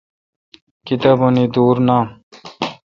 کتابونی دور نام۔